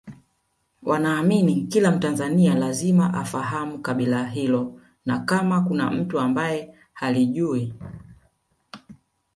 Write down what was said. wanaamini kila mtanzania lazima afahamu kabila hilo na kama kuna mtu ambaye halijui